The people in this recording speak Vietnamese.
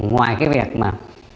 ngoài cái việc mà